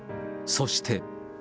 そして。